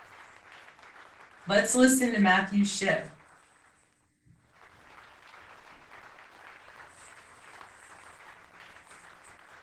Let's listen to Matthew Shipp.